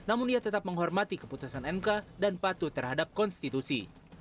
namun ia tetap menghormati keputusan mk dan patuh terhadap konstitusi